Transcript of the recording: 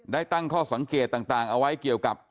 ตั้งข้อสังเกตต่างเอาไว้เกี่ยวกับ